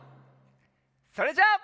それじゃあ。